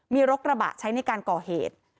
มีรถกระบะใช้ในการก่อเหตุ